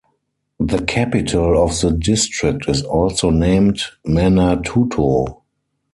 The capital of the district is also named Manatuto.